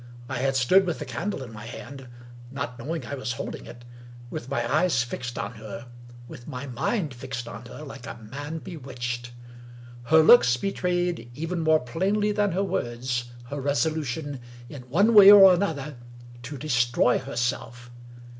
I had stood with the candle in my hand (not know ing I was holding it) — with my eyes fixed on her, with my mind fixed on her like a man bewitched. Her looks betrayed, even more plainly than her words, her resolution, in one way or another, to destroy herself.